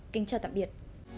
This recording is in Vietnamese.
kính chào tạm biệt